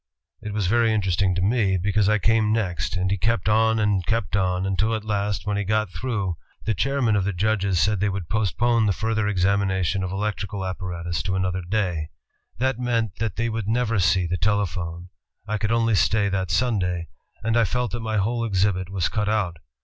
It was very interesting to me, because I came next, and he kept on and kept on, until at last, when he got through, the chairman of the judges said they would post pone the further examination of electrical apparatus to ALEXANDER GRAHAM BELL another day. That meant that they would never see the telephone. , I could only stay that Sunday and I felt TELEPHONE that my whole exhibit was cut out.